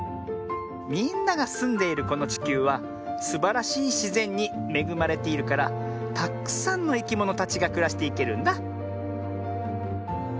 みんながすんでいるこのちきゅうはすばらしいしぜんにめぐまれているからたっくさんのいきものたちがくらしていけるんだ。